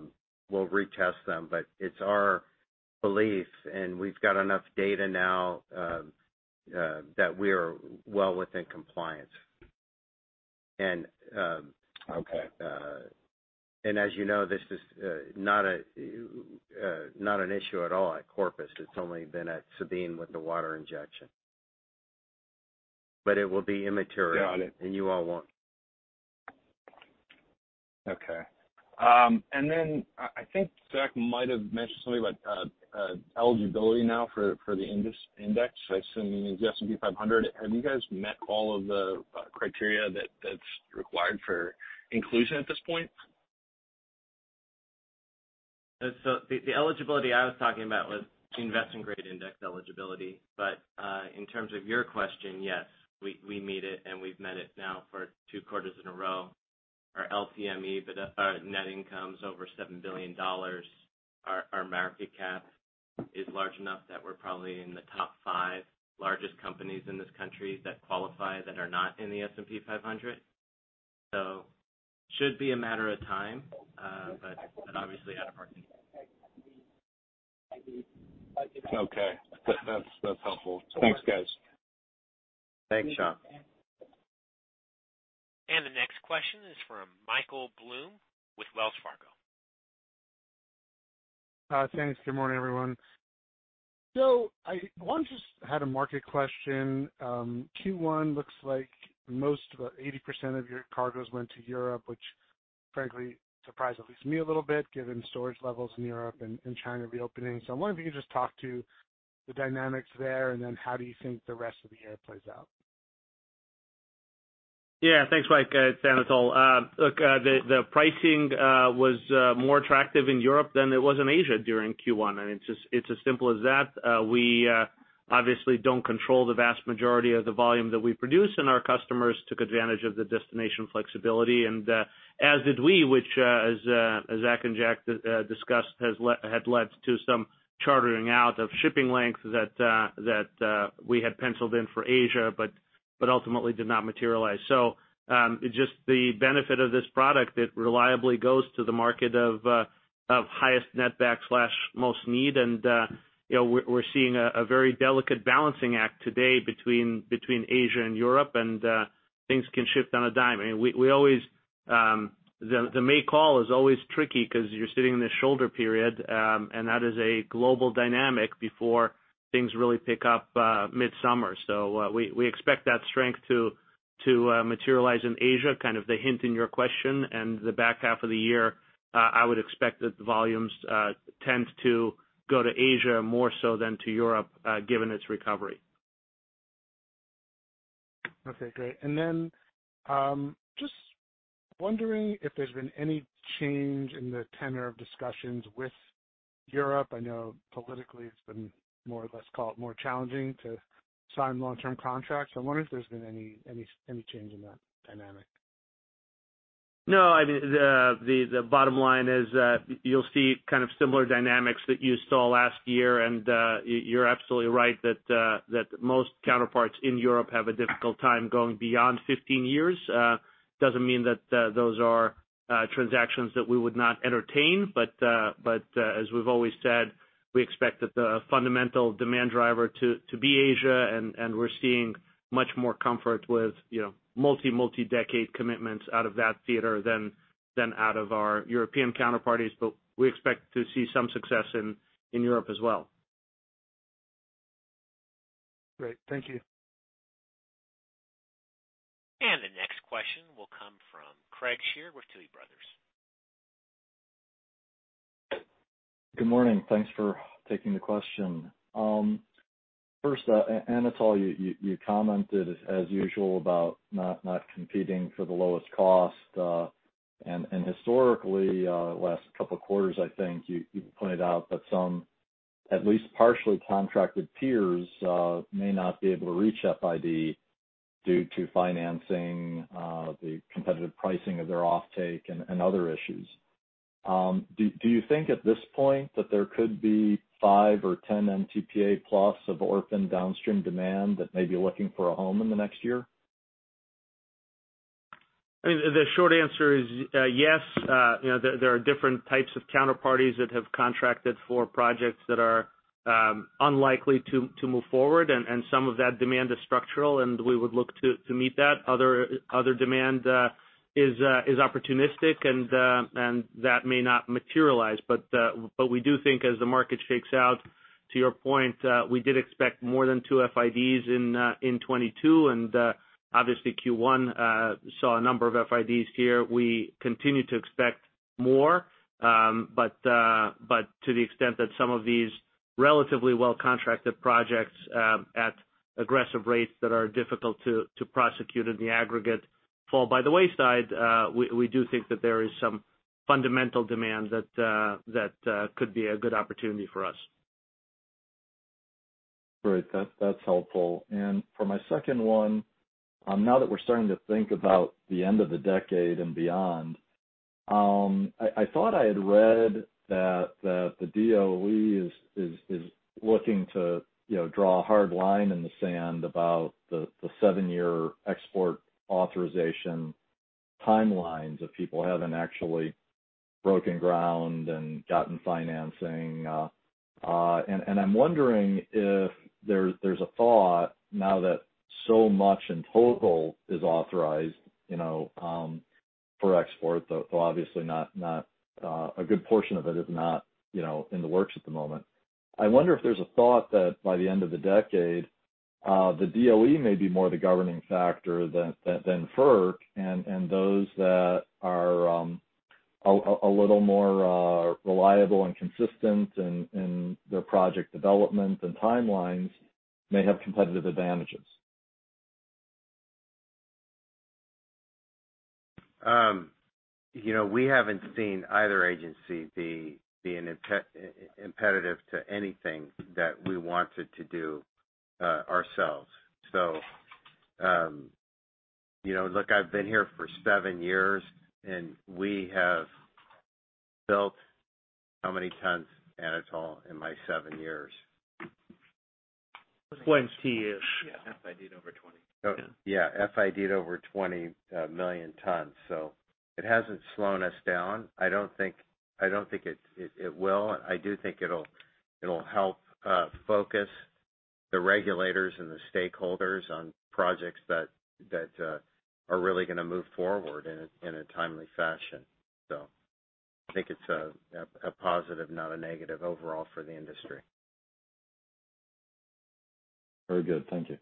retest them. It's our belief, and we've got enough data now, that we are well within compliance. Okay. As you know, this is not an issue at all at Corpus. It's only been at Sabine with the water injection. It will be immaterial- Got it. You all won't. Okay. I think Zach might have mentioned something about eligibility now for the index. I assume he means the S&P 500. Have you guys met all of the criteria that's required for inclusion at this point? The eligibility I was talking about was the investment-grade index eligibility. In terms of your question, yes, we meet it, and we've met it now for two quarters in a row. Our LCME, but our net income is over $7 billion. Our market cap is large enough that we're probably in the top five largest companies in this country that qualify that are not in the S&P 500. Should be a matter of time, but obviously out of our control. Okay. That's helpful. Thanks, guys. Thanks, Sean. The next question is from Michael Blum with Wells Fargo. Thanks. Good morning, everyone. One, just had a market question. Q1 looks like most of the 80% of your cargoes went to Europe, which frankly surprised at least me a little bit, given storage levels in Europe and China reopening. I wonder if you could just talk to the dynamics there, and then how do you think the rest of the year plays out? Yeah. Thanks, Mike. It's Anatol. Look, the pricing was more attractive in Europe than it was in Asia during Q1, and it's as simple as that. We obviously don't control the vast majority of the volume that we produce, and our customers took advantage of the destination flexibility. As did we, which, as Zach and Jack discussed, had led to some chartering out of shipping lengths that we had penciled in for Asia, but ultimately did not materialize. Just the benefit of this product, it reliably goes to the market of highest netback slash most need. You know, we're seeing a very delicate balancing act today between Asia and Europe, and things can shift on a dime. I mean, we always. The may call is always tricky because you're sitting in this shoulder period, and that is a global dynamic before things really pick up mid-summer. We expect that strength to materialize in Asia, kind of the hint in your question. The back half of the year, I would expect that the volumes tend to go to Asia more so than to Europe, given its recovery. Okay, great. Just wondering if there's been any change in the tenor of discussions with Europe. I know politically it's been more or less, call it, more challenging to sign long-term contracts. I wonder if there's been any change in that dynamic. No, I mean, the bottom line is, you'll see kind of similar dynamics that you saw last year. You're absolutely right that most counterparts in Europe have a difficult time going beyond 15 years. Doesn't mean that those are transactions that we would not entertain. As we've always said, we expect that the fundamental demand driver to be Asia, and we're seeing much more comfort with, you know, multi-decade commitments out of that theater than out of our European counterparties. We expect to see some success in Europe as well. Great. Thank you. The next question will come from Craig Shere with Tuohy Brothers. Good morning. Thanks for taking the question. First, Anatol, you commented as usual about not competing for the lowest cost. Historically, last couple of quarters, I think you pointed out that some at least partially contracted peers may not be able to reach FID due to financing, the competitive pricing of their offtake, and other issues. Do you think at this point that there could be five or 10 MTPA+ of orphan downstream demand that may be looking for a home in the next year? I mean, the short answer is, yes. You know, there are different types of counterparties that have contracted for projects that are, unlikely to move forward. Some of that demand is structural, and we would look to meet that. Other demand, is opportunistic and that may not materialize. We do think as the market shakes out To your point, we did expect more than two FIDs in 2022, and obviously Q1 saw a number of FIDs here. We continue to expect more, but to the extent that some of these relatively well-contracted projects at aggressive rates that are difficult to prosecute in the aggregate fall by the wayside, we do think that there is some fundamental demand that could be a good opportunity for us. Great. That's helpful. For my second one, now that we're starting to think about the end of the decade and beyond, I thought I had read that the DOE is looking to, you know, draw a hard line in the sand about the seven-year export authorization timelines if people haven't actually broken ground and gotten financing. And I'm wondering if there's a thought now that so much in total is authorized, you know, for export, though obviously not a good portion of it is not, you know, in the works at the moment. I wonder if there's a thought that by the end of the decade, the DOE may be more the governing factor than FERC, and those that are a little more reliable and consistent in their project development and timelines may have competitive advantages. You know, we haven't seen either agency be an impeditive to anything that we wanted to do ourselves. You know, look, I've been here for seven years and we have built how many tons, Anatol, in my seven years? 20-ish. Yeah, FID'd over 20. Yeah. Yeah, FID over 20 million tons. It hasn't slowed us down. I don't think it will. I do think it'll help focus the regulators and the stakeholders on projects that are really gonna move forward in a timely fashion. I think it's a positive, not a negative, overall for the industry. Very good. Thank you.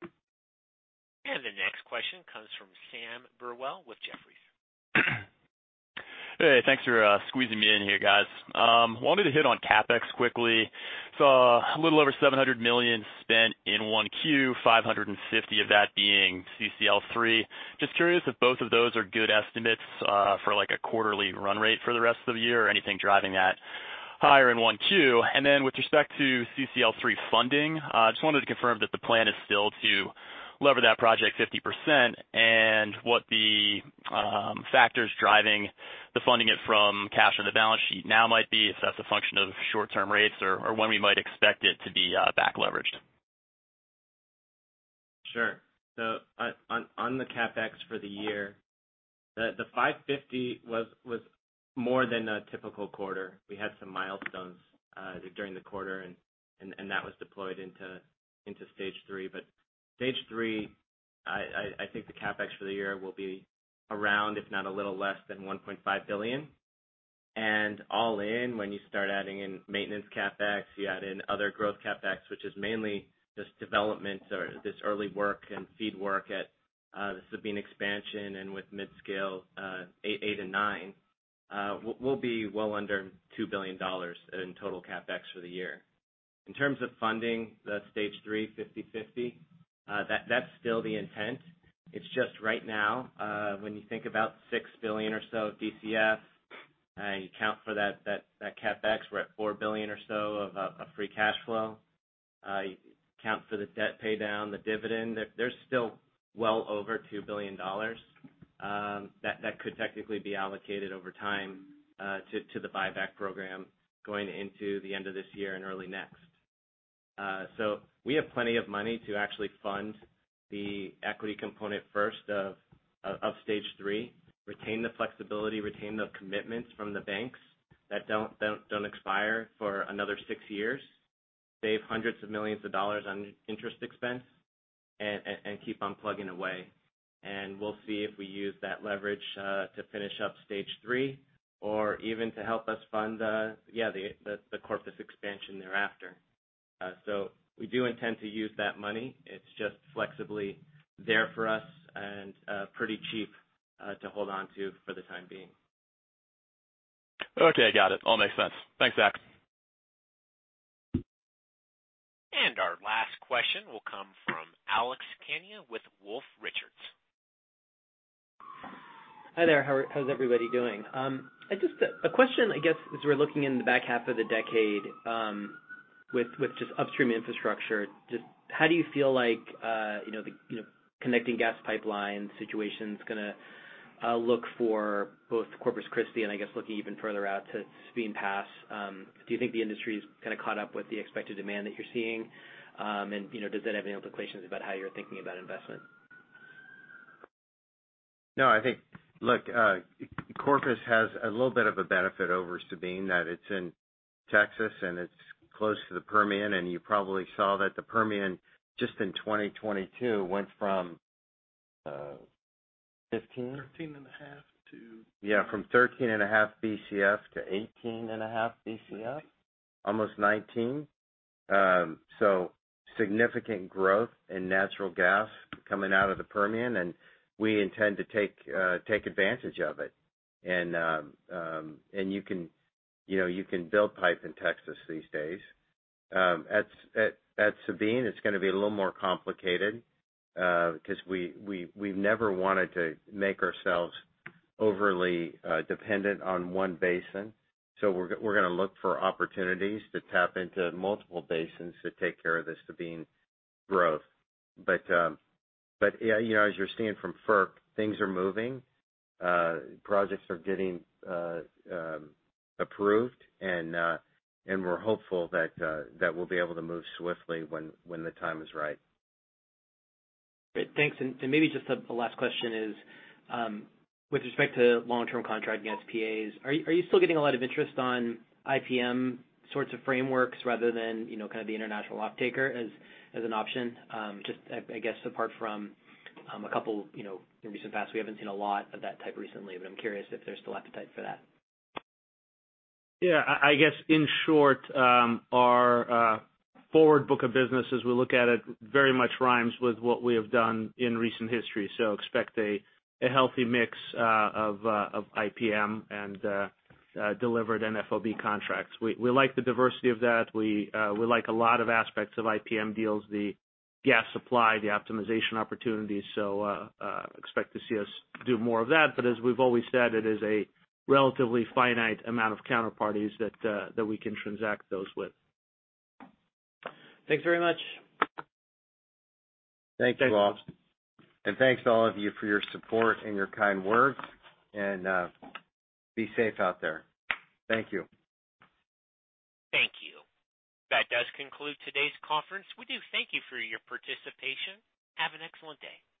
The next question comes from Sam Burwell with Jefferies. Hey, thanks for squeezing me in here, guys. Wanted to hit on CapEx quickly. Saw a little over $700 million spent in 1Q, 550 of that being CCL three. Just curious if both of those are good estimates for like a quarterly run rate for the rest of the year or anything driving that higher in 1Q. With respect to CCL three funding, just wanted to confirm that the plan is still to lever that project 50% and what the factors driving the funding it from cash on the balance sheet now might be, if that's a function of short-term rates or when we might expect it to be back leveraged. Sure. On the CapEx for the year, the $550 was more than a typical quarter. We had some milestones during the quarter and that was deployed into Stage three. Stage three, I think the CapEx for the year will be around, if not a little less than $1.5 billion. All in, when you start adding in maintenance CapEx, you add in other growth CapEx, which is mainly just development or this early work and feed work at the Sabine Expansion and with mid-scale eight and nine, we'll be well under $2 billion in total CapEx for the year. In terms of funding the Stage three 50/50, that's still the intent. It's just right now, when you think about $6 billion or so of DCF, you account for that CapEx, we're at $4 billion or so of free cash flow. You account for the debt pay down, the dividend, there's still well over $2 billion that could technically be allocated over time to the buyback program going into the end of this year and early next. We have plenty of money to actually fund the equity component first of stage three, retain the flexibility, retain the commitments from the banks that don't expire for another six years, save hundreds of millions of dollars on interest expense, and keep on plugging away. We'll see if we use that leverage to finish up Stage three or even to help us fund the Corpus expansion thereafter. We do intend to use that money. It's just flexibly there for us and pretty cheap to hold on to for the time being. Okay, got it. All makes sense. Thanks, Zach. Our last question will come from Alex Kania with Wolfe Research. Hi there. How's everybody doing? I just a question, I guess, as we're looking in the back half of the decade, with just upstream infrastructure. Just how do you feel like, you know, the, you know, connecting gas pipeline situation's gonna look for both Corpus Christi and I guess looking even further out to Sabine Pass, do you think the industry is kind of caught up with the expected demand that you're seeing? You know, does that have any implications about how you're thinking about investment? No, I think... Look, Corpus has a little bit of a benefit over Sabine that it's in Texas and it's close to the Permian, and you probably saw that the Permian just in 2022 went from, 15? 13.5 to- Yeah, from 13.5 BCF to 18.5 BCF, almost 19. Significant growth in natural gas coming out of the Permian, and we intend to take advantage of it. You can, you know, you can build pipe in Texas these days. At Sabine, it's gonna be a little more complicated because we've never wanted to make ourselves overly dependent on one basin. We're gonna look for opportunities to tap into multiple basins to take care of this Sabine growth. Yeah, you know, as you're seeing from FERC, things are moving. Projects are getting approved, and we're hopeful that we'll be able to move swiftly when the time is right. Great. Thanks. Maybe just a last question is, with respect to long-term contract against SPAs, are you still getting a lot of interest on IPM sorts of frameworks rather than, you know, kind of the international offtaker as an option? Just I guess apart from, a couple, you know, in recent past, we haven't seen a lot of that type recently, but I'm curious if there's still appetite for that. Yeah. I guess in short, our forward book of business as we look at it very much rhymes with what we have done in recent history. Expect a healthy mix of IPM and delivered and FOB contracts. We like the diversity of that. We like a lot of aspects of IPM deals, the gas supply, the optimization opportunities, expect to see us do more of that. As we've always said, it is a relatively finite amount of counterparties that we can transact those with. Thanks very much. Thank you all. Thanks to all of you for your support and your kind words and, be safe out there. Thank you. Thank you. That does conclude today's conference. We do thank you for your participation. Have an excellent day.